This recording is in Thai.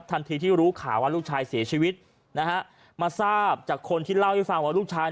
ทันทีที่รู้ข่าวว่าลูกชายเสียชีวิตนะฮะมาทราบจากคนที่เล่าให้ฟังว่าลูกชาย